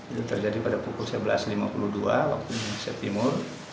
itu terjadi pada pukul sebelas lima puluh dua waktu indonesia timur